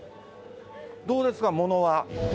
どうですか、ものは？